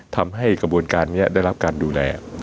ทำให้กระบวนการนี้ได้รับการดูแล